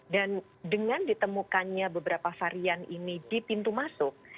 dan dengan ditemukannya beberapa varian ini di pintu masuk